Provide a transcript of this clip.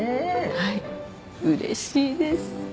はいうれしいです